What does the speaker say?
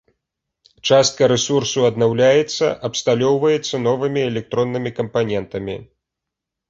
Частка рэсурсу аднаўляецца, абсталёўваецца новымі электроннымі кампанентамі.